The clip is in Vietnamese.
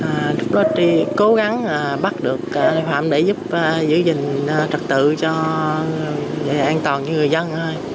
là lúc đó tri cố gắng bắt được tội phạm để giúp giữ gìn trật tự cho an toàn cho người dân